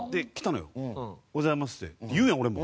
「おはようございます」って言うやん俺も。